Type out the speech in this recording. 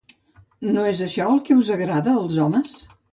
No és això el que us agrada als homes?